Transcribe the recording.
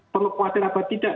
kalau kuatir apa tidak